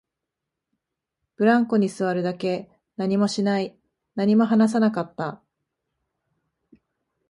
ブランコに座るだけ、何もしない、何も話さなかった